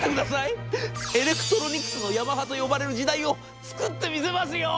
エレクトロニクスのヤマハと呼ばれる時代を作ってみせますよ！』。